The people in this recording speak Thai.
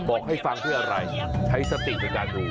บอกให้ฟังเพื่ออะไรใช้สติในการดู